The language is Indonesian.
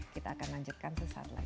kita akan lanjutkan sesaat lagi